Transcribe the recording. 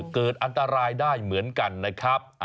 เกิดอันตรายได้เหมือนกันนะครับ